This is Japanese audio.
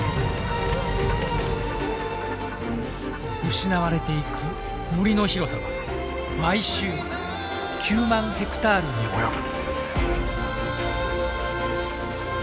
失われていく森の広さは毎週９万ヘクタールに及ぶ。